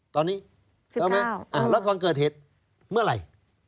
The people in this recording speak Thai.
ตอนนี้ใช่ไหมแล้วตอนเกิดเหตุเมื่อไหร่